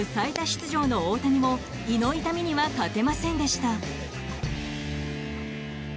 出場の大谷も胃の痛みには勝てませんでした。